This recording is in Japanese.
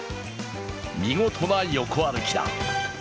見事な横歩きだ。